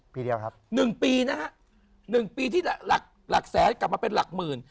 ปีเดียวครับ๑ปีนะฮะ๑ปีที่หลักหลักแสนกลับมาเป็นหลักหมื่น